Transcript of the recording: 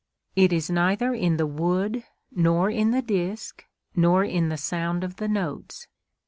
It is neither in the wood, nor in the disc, nor in the sound of the notes.